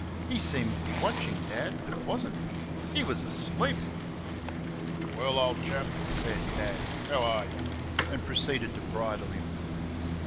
He seemed to be watching Dad, but was n't. He was ASLEEP. "Well, old chap," said Dad, "how ARE y'?" and proceeded to bridle him.